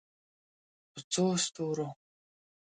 په څو ستورو